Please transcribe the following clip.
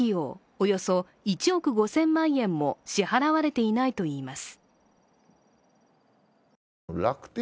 およそ１億５０００万円も支払われていないといいます。